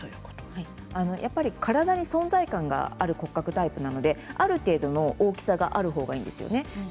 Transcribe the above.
体に存在感がある骨格タイプなので、ある程度の大きさがある方がいいんですね。